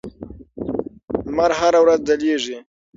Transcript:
لمر هره ورځ ځلېږي.